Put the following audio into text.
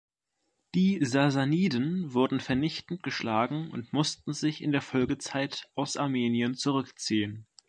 Die Sasaniden wurden vernichtend geschlagen und mussten sich in der Folgezeit aus Armenien zurückziehen.